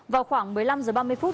vào khoảng một mươi năm h ba mươi phút